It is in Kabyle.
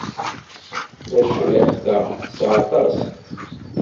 Tacriḥt-a teɛṣa aṭas.